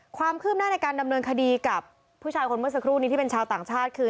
ความคืบหน้าในการดำเนินคดีกับผู้ชายคนเมื่อสักครู่นี้ที่เป็นชาวต่างชาติคือ